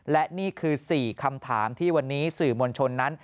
และนี่คือ๔คำถามที่วันนี้สื่อมวลชนนั้น